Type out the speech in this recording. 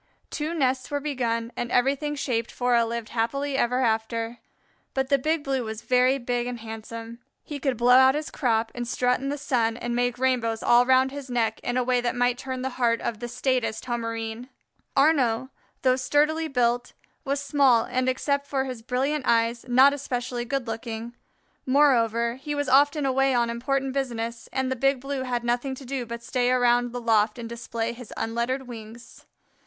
Two nests were begun and everything shaped for a "lived happily ever after." But the Big Blue was very big and handsome. He could blow out his crop and strut in the sun and make rainbows all round his neck in a way that might turn the heart of the staidest Homerine. Arnaux, though sturdily built, was small and except for his brilliant eyes, not especially good looking. Moreover, he was often away on important business, and the Big Blue had nothing to do but stay around the loft and display his unlettered wings.